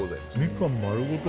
みかん丸ごと